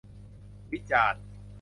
วิจารณ์